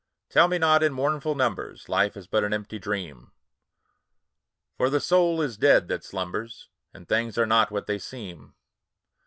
Tell me not, in mournful numbers, Life is but an empty dream ! For the soul is dead that slumbers. And things are not what they seem.